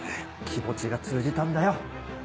気持ちが通じたんだよ。